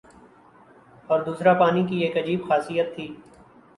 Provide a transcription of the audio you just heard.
اور دوسرا پانی کی ایک عجیب خاصیت تھی